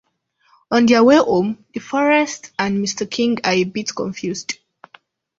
On their way home, the Forrests' and Mr. King are a bit confused.